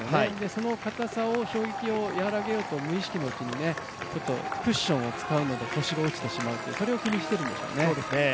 その硬さを衝撃を和らげようと無意識のうちに、クッションを使うので腰が落ちてしまう、それを気にしているんでしょうね。